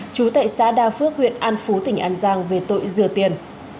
chú tệ xã đa phước huyện an phú tỉnh an giang về tội dừa tiền